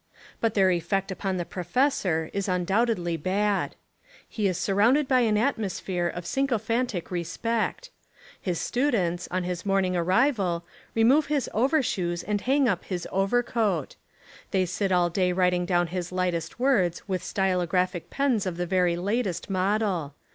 But their effect upon the professor Is undoubtedly bad. He is surrounded by an at mosphere of sycophantic respect. His students, on his morning arrival, remove his overshoes i6 TJie Apology of a Professor and hang up his overcoat. They sit all day writing down his lightest words with stylo graphic pens of the very latest model.